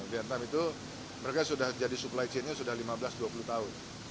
vietnam itu mereka sudah jadi supply chainnya sudah lima belas dua puluh tahun